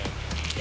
え？